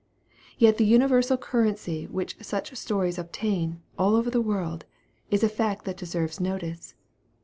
Yet the universal currency which such stories obtain, all over the world, is a fact that deserves notice.